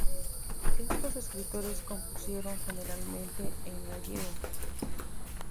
Estos escritores compusieron generalmente, en gallego.